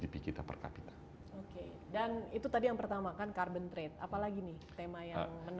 dan itu tadi yang pertama kan carbon trade apalagi nih tema yang menarik diaskan sinful carbon trade berbasiskan karbonisasi gitu kan ya